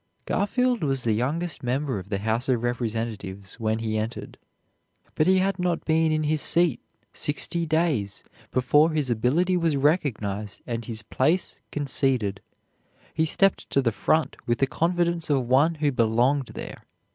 Garfield was the youngest member of the House of Representatives when he entered, but he had not been in his seat sixty days before his ability was recognized and his place conceded. He stepped to the front with the confidence of one who belonged there.